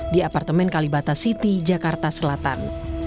di apartemen kalibata city jakarta selatan